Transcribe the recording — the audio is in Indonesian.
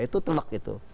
itu telak gitu